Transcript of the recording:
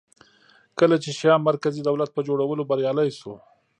کله چې شیام مرکزي دولت په جوړولو بریالی شو